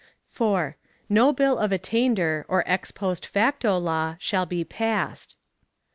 4. No bill of attainder or ex post facto law shall be passed.